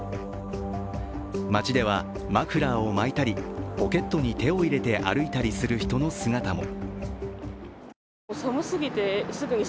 街ではマフラーを巻いたりポケットに手を入れて歩いたりする人の姿も。